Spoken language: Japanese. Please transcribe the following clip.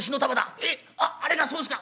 「えっ？あれがそうですか。